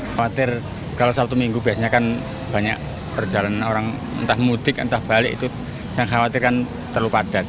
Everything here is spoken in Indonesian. khawatir kalau satu minggu biasanya kan banyak perjalanan orang entah mudik entah balik itu yang khawatirkan terlalu padat